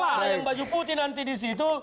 jadi kalau yang baju putih nanti di situ